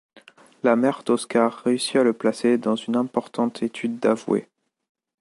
La mère d’Oscar réussit à le placer dans une importante étude d’avoué.